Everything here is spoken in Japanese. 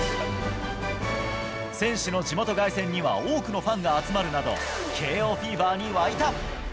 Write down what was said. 選手の地元凱旋には多くのファンが集まるなど、慶応フィーバーに沸いた。